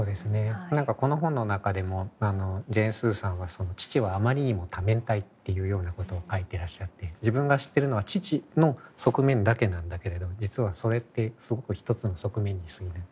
何かこの本の中でもジェーン・スーさんは父はあまりにも多面体っていうようなことを書いていらっしゃって自分が知ってるのは父の側面だけなんだけれど実はそれってすごく一つの側面にすぎない。